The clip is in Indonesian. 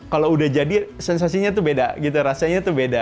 kalau sudah jadi sensasinya itu beda rasanya itu beda